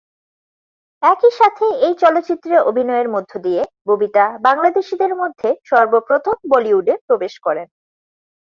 একইসাথে এই চলচ্চিত্রে অভিনয়ের মধ্য দিয়ে ববিতা বাংলাদেশীদের মধ্যে সর্বপ্রথম বলিউডে প্রবেশ করেন।